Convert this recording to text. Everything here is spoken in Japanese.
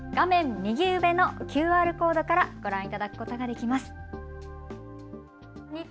右上のＱＲコードからご覧いただくことができます。